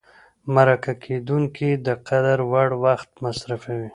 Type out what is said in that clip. مرکه کېدونکی د قدر وړ وخت مصرفوي.